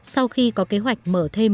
sau khi có kế hoạch mở thêm